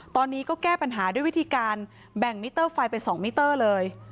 ตอนนี้ก็แก้ปัญหาด้วยวิธีการแบ่งมิเตอร์ไฟไป๒มิเตอร์เลย